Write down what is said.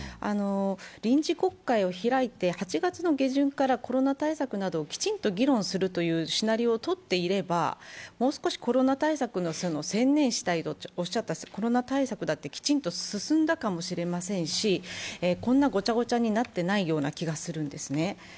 臨時国会を開いて８月の下旬からコロナ対策をきちんと議論するというシナリオをとっていれば、もう少し専念したいとおっしゃったコロナ対策だってきちんと進んだかもしれませんしこんなごちゃごちゃになっていないような気がするんですね。